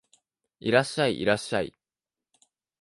いらっしゃい、いらっしゃい